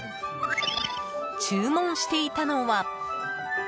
注文していたのは。